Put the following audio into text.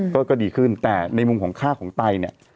ก็ดีขึ้นแต่ในมุมของค่าของไตเนี่ย